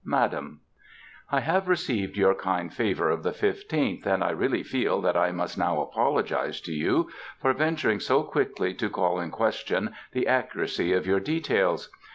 _ MADAM, I have received your kind favor of the 15th, and I really feel that I must now apologize to you, for venturing so quickly to call in question the accuracy of your details.